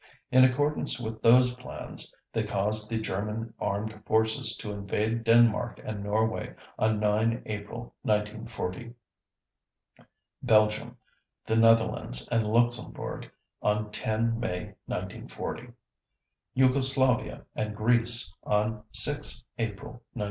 In accordance with those plans, they caused the German armed forces to invade Denmark and Norway on 9 April 1940; Belgium, the Netherlands, and Luxembourg on 10 May 1940; Yugoslavia and Greece on 6 April 1941.